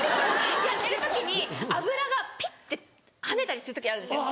やってる時に油がピッて跳ねたりする時あるんですよ。